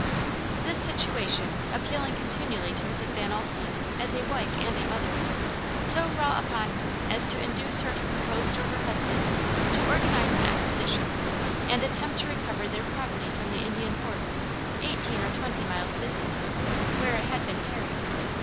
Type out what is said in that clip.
This situation appealing continually to Mrs. Van Alstine as a wife and a mother, so wrought upon her as to induce her to propose to her husband to organize an expedition, and attempt to recover their property from the Indian forts eighteen or twenty miles distant, where it had been carried.